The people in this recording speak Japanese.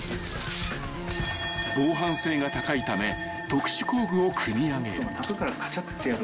［防犯性が高いため特殊工具を組み上げる］